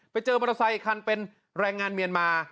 ไปเจอมอเตอร์ไซค์อีกคันเป็นแรงงานเมียนมา